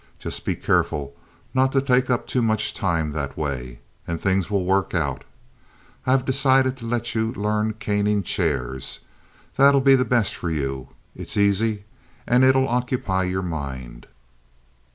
Just be careful not to take up too much time that way, and things will work out. I've decided to let you learn caning chairs. That'll be the best for you. It's easy, and it'll occupy your mind."